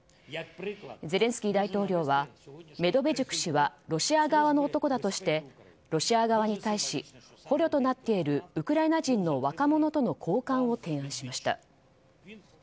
ゼレンスキー大統領はメドベチュク氏はロシア側の男だとしてロシア側に対し捕虜となっているウクライナ人の若者との交換を提案しました。